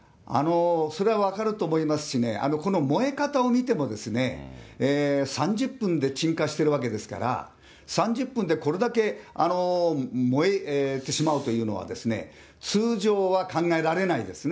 それは分かると思いますしね、この燃え方を見てもですね、３０分で鎮火してるわけですから、３０分でこれだけ燃えてしまうというのはですね、通常は考えられないですね。